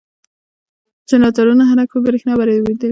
جنراتور حرکت په برېښنا بدلوي.